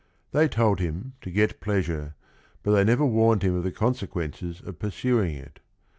They told him to get pleasure, but they never warned him of the consequences of pursuing it.